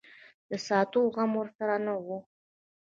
د ساتلو غم ورسره نه وي.